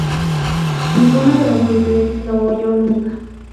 Ninguno de los Beatles lo oyó nunca.".